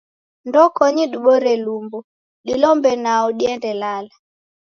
Ndokonyi dibore lumbo, dilombe nao diende lala.